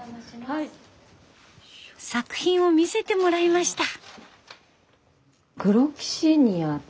作品を見せてもらいました。